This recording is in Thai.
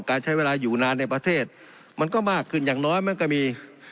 การใช้เวลาอยู่นานในประเทศมันก็มากขึ้นอย่างน้อยมันก็มี